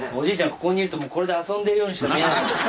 ここにいるともうこれで遊んでるようにしか見えないですよ。